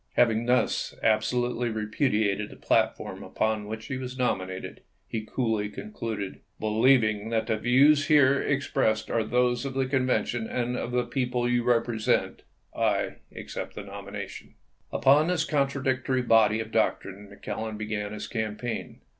Having thus absolutely repudiated the platform upon which he was nominated, he coolly concluded, " Believing that the views here expressed are those of the Convention and the people you represent, I ^com" accept the nomination." 1 sept! sfim. Upon this contradictory body of doctrine Mc Clellan began his campaign.